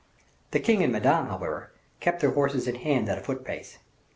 The king and Madame, however, kept their horses in hand at a foot pace.